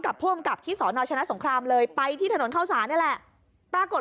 ผู้อำกับที่สอนอชนะสงครามเลยไปที่ถนนเข้าสารนี่แหละปรากฏ